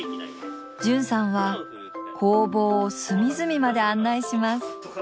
絢さんは工房を隅々まで案内します。